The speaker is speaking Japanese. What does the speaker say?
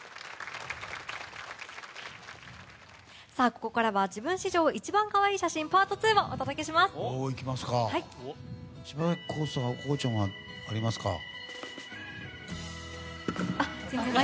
ここからは、自分史上一番かわいい写真Ｐａｒｔ２をお届けします。